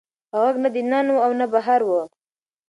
غږ نه د ننه و او نه بهر و.